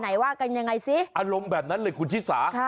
อารมณ์แบบนั้นเลยคุณชิสา